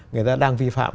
người ta đang vi phạm